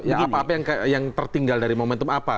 apa apa yang tertinggal dari momentum apa